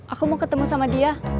aku mau ketemu sama dia